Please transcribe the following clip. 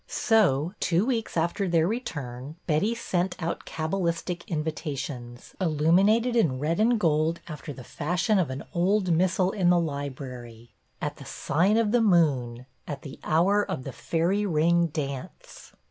BETTY BAIRD 1 64 So, two weeks after their return, Betty sent out cabalistic invitations, illuminated in red and gold after the fashion of an old missal in the library, — At the Sign of the Moon, At the Hour of the F airy Ring Dance.